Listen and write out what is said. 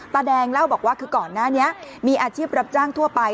ตาแดงเล่าบอกว่าคือก่อนหน้านี้มีอาชีพรับจ้างทั่วไป